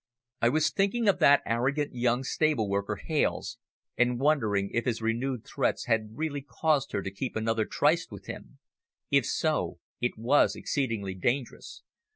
I was thinking of that arrogant young stable worker, Hales, and wondering if his renewed threats had really caused her to keep another tryst with him. If so, it was exceedingly dangerous.